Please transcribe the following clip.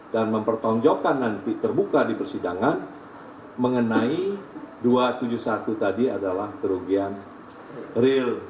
dan mempertonjokkan nanti terbuka di persidangan mengenai dua ratus tujuh puluh satu tadi adalah kerugian real